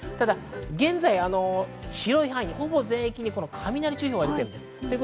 現在、広い範囲、ほぼ全域に雷注意報が出ています。